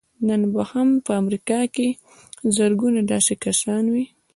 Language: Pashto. نن به هم په امريکا کې زرګونه داسې کسان وي.